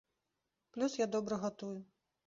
Плюс я добра гатую.